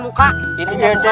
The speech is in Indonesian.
muka muka kedepan muka